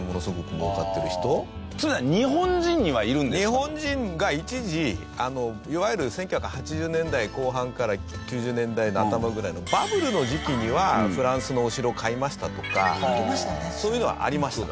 日本人が一時いわゆる１９８０年代後半から９０年代の頭ぐらいのバブルの時期にはフランスのお城を買いましたとかそういうのはありました。